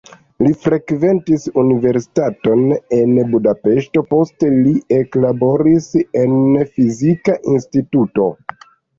Li frekventis universitaton en Budapeŝto, poste li eklaboris en fizika instituto.